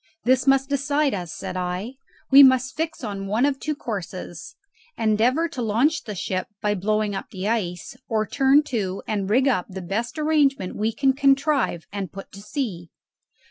"This must decide us!" said I. "We must fix on one of two courses: endeavour to launch the ship by blowing up the ice, or turn to and rig up the best arrangement we can contrive and put to sea."